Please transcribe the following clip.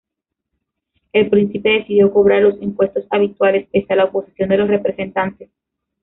El príncipe decidió cobrar los impuestos habituales pese a la oposición de los representantes.